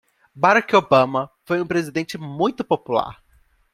Barack Obama foi um presidente muito popular.